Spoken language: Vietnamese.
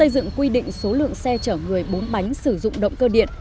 định số lượng xe chở người bốn bánh sử dụng động cơ điện